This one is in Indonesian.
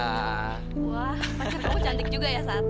wah pacar kamu cantik juga ya sat